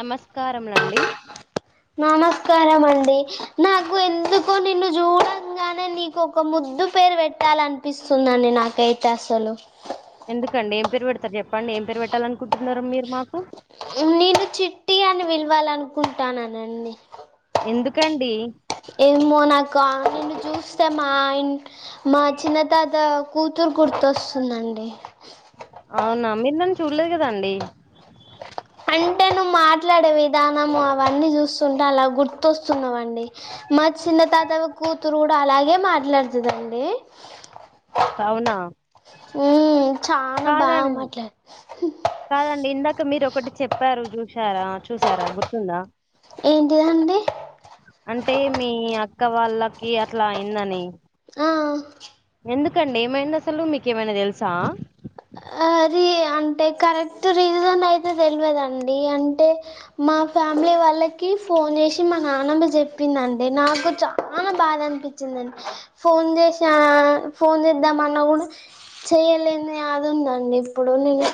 నమస్కారాములండి నమస్కారం అండి నాకు ఎందుకో నిన్ను చూడంగానే నీకు ఒక ము ముద్దు పేరు పెట్టాలనిపిస్తుందండి నాకైతే అసలు ఎందుకండి ఏం పేరు పెడతారు చెప్పండి ఏం పేరు పెట్టాల అనుకుంటున్నారు మీరు మాకు నేను చిట్టి అని విలవాల అనుకుంటాన్నానండి ఎందుకండి కా నిన్ను చూస్తే మా ఇ మా చిన్నతాత కూతురు గుర్తొస్తుందండి చూలేదు కదండి అంటే నువ్వు [inaudible] మాట్లాడే విధానము అవన్నీ చూస్తుంటే అలా గుర్తొస్తున్నావండి మా చిన్న తాత కూతురు కూడా అలాగే మాట్లాడుతుందండి అవునా హ చాలా బాగా కాదండి మాట్లాడు చ్చారా చూసారా గుర్తుందా ఏంటిద అండీ అంటే మీ అక్క వాళ్ళకి అట్లా అయిందని ఆ ఎందుకండి ఏమైంది అసలు మీకేమైనా తెలుసా ది అంటే కరెక్ట్ రీజన్ అయితే తెలియదుండి అంటే మా ఫ్యామిలీ వాళ్ళకి ఫోన్ చేసి మా నాన్నమ్మ చెప్పిందిండి నాకు చాలా బాధ అనిపించిందిండి ఫోన్ చేసా ఫోన్ చేద్దాం అన్న కూడా చేయలేని దు ఉందండి ఇప్పుడు నేను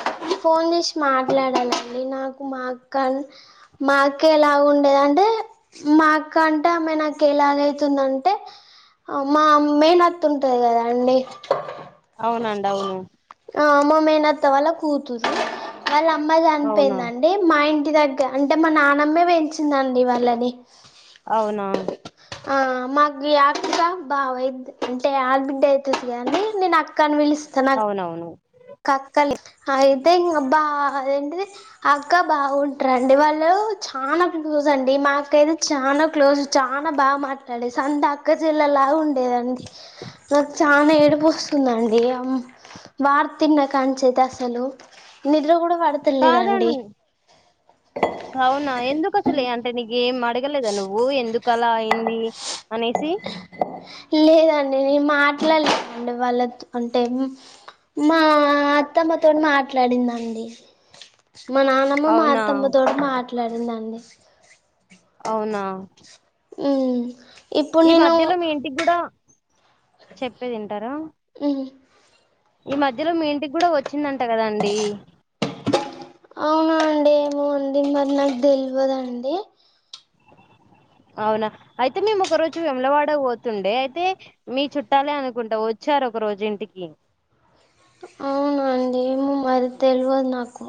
ఫోన్ చేసి మాట్లాడానండి నాకు మా అక్క మా అక్క ఎలాగ ఉండేది అంటే మా అక్కంటే ఆమె నాకు ఎలాగైతుందంటే మా మేనత్త ఉంటది కదా అండి అవునండి అవును ఆ మా మేనత్త వాళ్ల కూతురూ వాళ్ళ అమ్మా అవునా చనిపోయిందిండి మా ఇంట్ ఇంటి దగ్గర అంటే మా నానమ్మే పెంచింది అండీ వాళ్ళని అవునా ఆ మాకు అక్క బావైద్ అంటే అడాబిడ్డ అవుతుంది కానీ నేను అక్కని వెలిస్తా అవునవును కక్కలి అయితే ఇంకా బా అదేంటది అక్క బావ ఉంటారండి వాళ్ళు చాలా క్లోజ్ అండి మా అక్క అయితే చాలా క్లోజ్ చాలా బాగా మాట్లాడే సొంత అక్కచెల్లి లా ఉండేదండి నాకు చాల ఏడుపు వస్తుందండి వత వార్త వినకనిచ్చి అస్సలు నిద్ర కూడా పడతలేదండి కాదండి అవునా ఎందుకు అసలే అంటే నీ ఏం అడగలేదా నువ్వు ఎందుక అలా అయింది అనేసి లేదండి నేను మాట్లాడలేదండి వాళ్ళ అంటే మా అత్తమ్మతో మాట్లాడిందండి మా నానమ్మ మా అవునా అత్తమ్మతోటి మాట్లాడిందండి. అవునా మ్ ఈ మధ్యలో మీ ఇంటికి కూడా చెప్పేదింటారా ఉ ఈ మధ్యలో మీ ఇంటికి కూడా వచ్చిందంట కదాండి? అవున అండి ఏమో అండి మరి నాకు తెలివదండి. అవునా అయితే మేము ఒక రోజు విములవాడ పోతుండే అయితే మీ చుట్టాలే అనుకుంటా వచ్చు స్తారు ఒక రోజు ఇంటికి అవునండి ఏమో మరి తెలివదు నాకు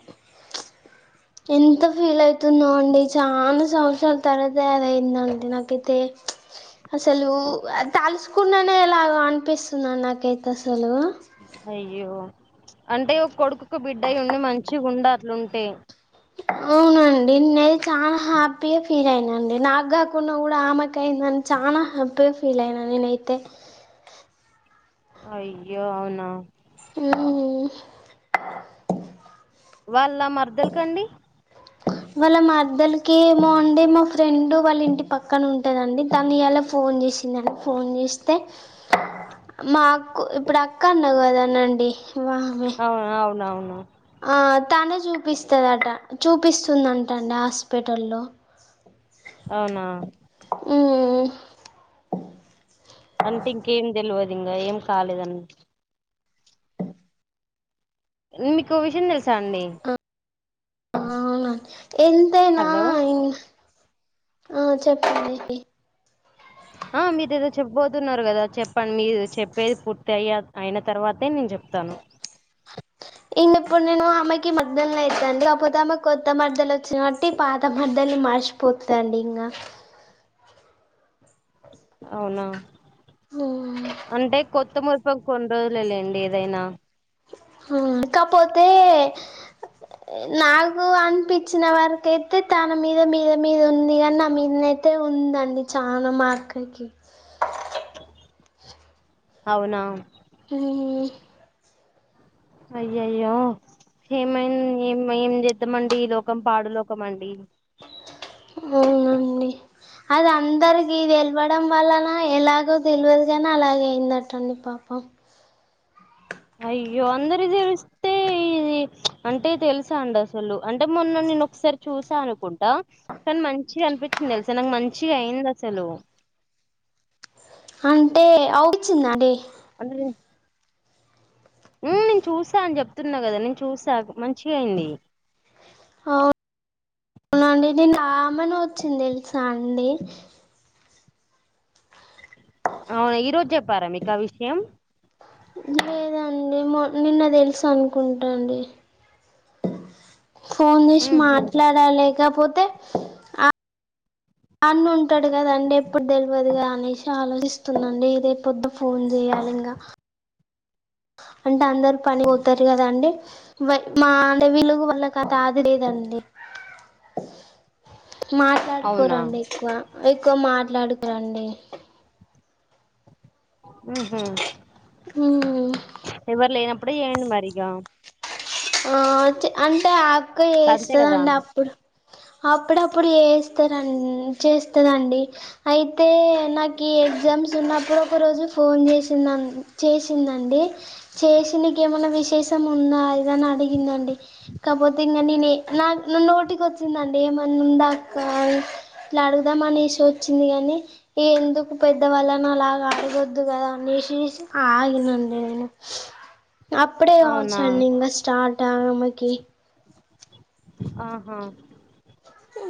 [inaudible] ఎంత ఫీల్ అవుతున్నావు అండి చాలా సంవత్సరాల తర తయారయందండి నాకైతే అసలు తలుచకున్నానే ఎలా అనిపిస్తున్నాను నాకైతే అసలు అయ్యో అంటే ఒక కొడుకొకబిడ్డయి ఉండి మంచిగుండట్లుంటే అవునండి నే చాలా హ్యాపీగా ఫీల్ అయినండి నాకు కాకున్న కూడా ఆమెక అయింది. నేను చాలా హ్యాపీగా ఫీల్ అయినా నేనైతే అయ్యో అవునా ఆ వాళ్ళ మర్ద్దల్కండి వాళ్ళ మాద్దలకి ఏమో అండీ మా ఫ్రెండ్ వాళ్ళ ఇంటి పక్కన ఉంటదండీ తను ఇయాల ఫో ఫోన్ చేసినాను ఫోన్ చేస్తే మా అక్కు ఇప్పడు అక్క అన్నావు కాదనండి. అవును అవునవును ఆ తనే చూపిస్తదట చూపిస్తుందంటండి హాస్పిటల్లో అవునా మ్మ్ అంటే ఇంకేం తెలివదు ఇంగ ఎమ్ కాలేదండీ మీకు విషయం తెలుసా అండి? అవున ఎంతైనా హలో ఇన్ ఆ చెప్పండి ఆ మీరెదో చెప్పబోతున్నారు కదా చెప్పండి మీరు చెప్పేది పూర్తి అయ్య అయిన తర్వాతేేనే జెప్తాను ఇన్నప్పుడు నేను ఆమెకి మర్దలను ఐతాను కాకపోతే ఆమె కొత్త మరదలు వచ్చిన కాట్టి పాత మరదలు మర్చిపోదండి ఇంకా అవునా అంటే కొత్తమ ఓ కొన్ని రోజులు లేండి ఏదైనా హా కాపోతే నాకు అనిపించిన వరకయితే తన మీద మీద మీద ఉంది కాని నా మీద నై తే ఉందండి చానా మాఅక్క కి అవునా హ ఐ యయ్యో ఏమైం ఏం ఏం చేద్దమండి ఈ లోకం పాడు లోకం అండి అవునండి అది అందరికి తెల్వడం వల్లన ఎలాగో తెల్వదు గాని అలాగైయిందట్టండి పాపం అయ్యో అందరి కి తెలిస్తే అంటే తెలుసా అండి అసలు అంటే మొన్న నేను ఒకసారి చూసాను అనుకుంటా మంచిగా అనిపించింది తెల్సా నాకు మంచిగా అయింది అసలు అంటే అవుచ్చిదాండి ఊ నేను చూసా అని చెప్తున్నా గా నేను చూసా మం చిగ అయింది అవునండి నేను ఆమనే వచ్చింది తెల్సా అండి అవును ఈ రోజు చెప్పారా మీకు ఆ విషయం లేదండి మో నిన్న తెలుసనుకొంటా అండి ఫోన్ చేసి ఉహు మాట్లాడ లేకపోతే ఆ అన్న ఉంటాడు కదండి ఎప్పుడు తెల్వదుగా అనేసి ఆలోచిస్తుందండి ఇదై పొత్తె ఫోన్ చేయా లింగా ఆ అంటే అందరు పని పోతారు కదండి మాంటే వెలుగు వాళ్ళకి అది లేదండి అవునా మాట్లాడుకోరండి ఎక్కువ ఎక్కువ మాట్లాడుకోరండి ఊ హు ఊ ఎవరు లేనప్పుడే ఏయండి మరిగా ఆ అంటే ఆక్క అంతే కదా చేస్తదండి అప్పుడు అప్పుడప్పుడు చేస్తారన్ చేస్తదండి అయితే నాకు ఈ ఎగ్జామ్ గేమ్స్ ఉన్నప్పుడు ఒక రోజు ఫోన్ చేసింద చేసిందండి చేసినికి ఏమన్నా విష విసం ఉన్నాది దని అడిగిందండి కాపోతే ఇంగ నేనే నాక్ నా నోటికి వచ్చిందండి ఏమన్నా ఉందాక్క ఇట్లా అడుగుదామనేసి వచ్చింది గాని ఎందుకు పెద్దవాళ్ళని అలాగ అడగో వద్దు కదా అనేసి ఆగినండి నేను అప్పుడే అవునా కావచ్చాండి ఇంకా నాన్నమ్మకి అహ ఊ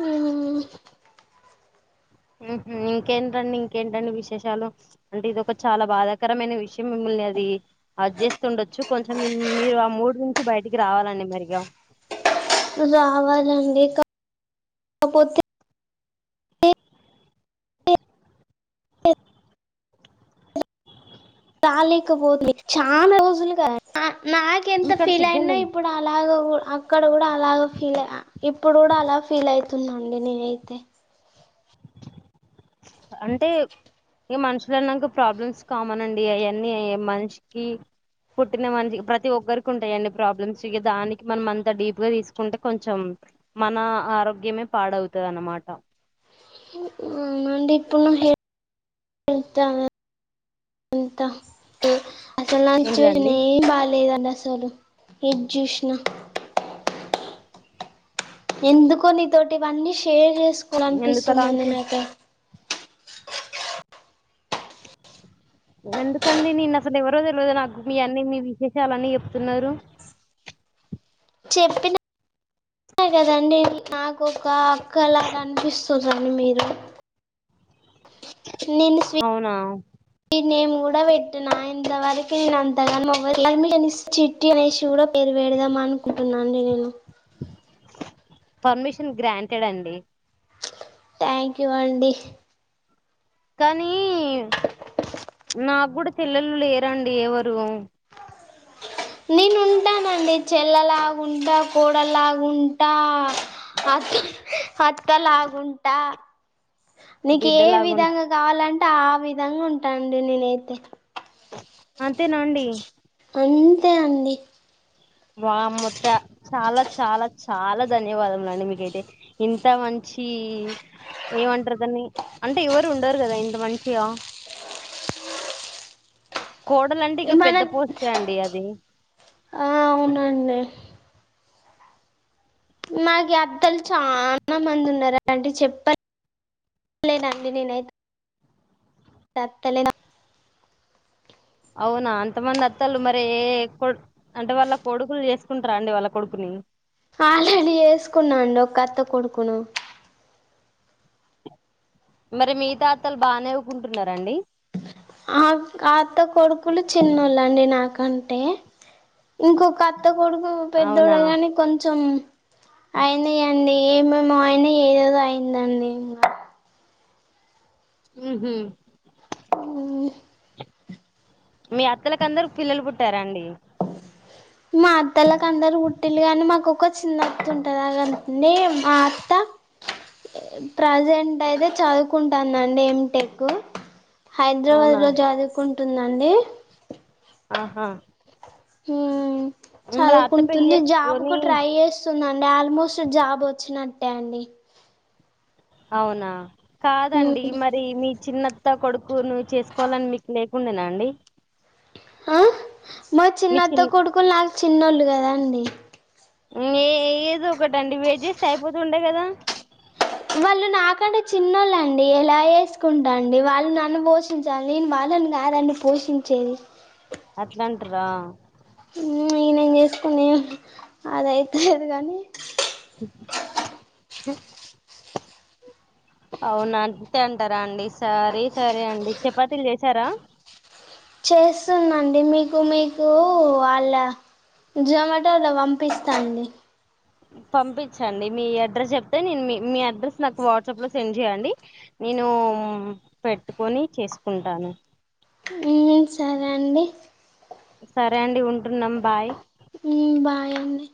ఇంకేంటండి ఇంకేంటండి విశేషాలు అంటే ఇది ఒక చాలా బాధాకరమైన విషయం మిమ్ మిమ్మల్ని అది అది చేస్తుండొచ్చు కొంచెం మీరు ఆ మూడు నుంచి బయటికి రావాలండి మిరిగా రావాలండి కాపోతే రాలేకపోతు చాలా రోజులుగా నాకెంత మీకాడ ఫీల్ అయినా సిగ్నల్ ఇప్పుడు అలాగ అక్కడ కూడా అలగా ఫీల్ ఇప్పుడు కూడా అలా ఫీల్ అయితుందండి నేనైతే అంటే ఇ మనుషులన్నంక ప్రాబ్లమ్స్ కామన్ అండి అయన్నీ మనిషికి పుట్టిన మంచి ప్రతి ఒక్కరికి ఉంటాయండి ప్రాబ్లమ్స్ ఇగ దానికి మనం అంతా డీప్ గా తీసుకుంటే కొంచెం మన ఆరోగ్యమే పాడవుతది అన్నమాట మండి ఎప్పున్నయ్ నిజ అంతతో అసలు నంచి వసిన ఏంటిదండి ఏం బాగాలేదండి అసలు ఏది చూసినా ఎందుకో నీతోటి ఇవన్నీ షేర్ చేసుకోని ఎందుకలా అనిపిస్తుందిండి అనుకు నాకె అది ఎందుకండి నేను అసలు ఎవరో తెలవదు నాకు మీ అన్నీ మీ విశేషాలున్ని చెప్తున్నారు. చెప్పిన కదండి నాకు ఒక అక్కలాగా అనిపిస్తుంది రండి మీరు నేను స్వీ అవునా నేమ్ గూడ వెట్టిన ఇంతవరకె న అంతగన్ మవ్వదు పెర్మినిసన్ సిట్టినేసి వేరు పెడదాం అనుకుకుంటున్నా అండి నేను పర్మిషన్ గ్రాంటెడ్ అండి థ్యాంక్ యూ అండి కానీ నాకు కూడా చెల్లెలు లేరండి ఎవరు నేను ఉంటా నండి చెల్ల లాగుంట, కోడలాగుంట అ అత్తలాగుంటా నీకు ఏ బిడ్డలాగా విధంగా కావాలంటే ఆ విధంగా ఉంటాండి నేనైతే అంతేనాండి అంతే అండి బ మొత్త చాలా చాలా చాలా ధన్యవాదము అండి మీకైతే ఇంత మంచి మంచి ఏమంటారుదని అంటే ఎవరు ఉండరు కదా ఇంత మంచియా కోడలంటే ఇక ఏం పెద్ద పనత్ పోస్టే అండి అది ఆ అవునండి మాకు అత్తలు చాలా మంది ఉన్నారు అంటడి చెప్ప లే నండి నేనైతే తలే అవునా అంతమంది అత్తలు మరి ఏ కొ అంటే వాళ్ళ కొడుకులు చేసుకుంటారా అండి వాళ్ళ కొడుకుని ఆల్రెడీ వేసుకున్నాండి ఒకత్త కొడుకును మరి మీగతాత్తలు బానేవ్కుంటున్నండి ఆ ఆ అత్త కొడుకులు చిన్నళ్ళండి నాకంటే ఇంకొక అత్త కొడుకు అవునా పెద్దోడు కానీ కొంచెం అయినియండి ఏమేమో అయినాయి ఏదదో అయిందండి. ఉ హ అ మీ అత్తలకు అందరు పిల్లలు పుట్టారాండి? మా అత్తలకు అందరు గుట్టిలు కాని మాకు ఒక్క చిన్నత్త ఉంటది కాదండి మా అత్త ప్రజెంట్ అయితే చదువుకుంటాందండి ఏమిటెకు హైదరాబాద్ అవునా లో చదువుకుంటుందండి ఆహా హు మరి అత్త పెళ్లి చదువుకుంటుంది జాబ్ కు చేసుకొని ట్రై చేస్తుందండి ఆల్మోస్ట్ జాబ్ వచ్చినట్ టాండి కాదండి హ్మ్ మరి మీ చిన్నత్త కొడుకు నువు చేసుకోవాలని మీకు లేకుండేనా అండి ఆ మా మీ చిన్నత్త చిన్ కొడుకులు నాకు చిన్నోళ్ళు కదా అండి ఏ ఏదో ఒకటండి వెేజెస్తే అయిపోతుండే కదా వాళ్ళు నాకంటే చిన్నోళ్ళండి ఎలా చేసుకుంటాండి వాళ్ళు నన్ను పో పోషించాలి నేను వాళ్ళని గాదండి పోషించేది అట్లాంటరా నేనేం చేస్కొని అది అయితలేదు కానీ అవున అంతే అంటారా అండి సరే సరే అండి చపాతీలు చేసారా చేస్తున్నాండి మీకు మీకు వాళ్ళ జొమాటలా పంపిస్తా అండి పంపించండి మీ అడ్రస్ చెప్తే నేను మీ మీ అడ్రస్ నాకు వాట్సాప్ లో సెండ్ చేయండి నేను పెట్టుకొని చేసుకుంటాను ఉ సరే అండి సరే అండి ఉంటున్నాం బాయ్ ఉ బాయ్ అండి